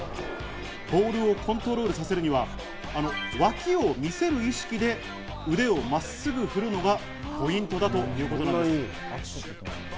ボールをコントロールさせるには、脇を見せる意識で腕をまっすぐ振るのがポイントだということなんです。